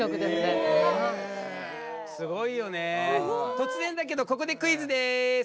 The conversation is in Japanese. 突然だけどここでクイズです。